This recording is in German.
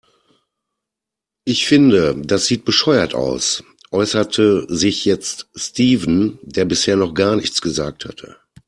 Ich finde, das sieht bescheuert aus, äußerte sich jetzt Steven, der bisher noch gar nichts gesagt hatte.